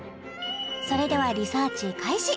それではリサーチ開始